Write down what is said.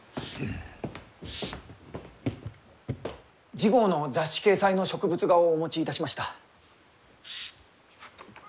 次号の雑誌掲載の植物画をお持ちいたしました。